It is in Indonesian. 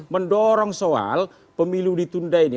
mendorong soal pemilu ditunda ini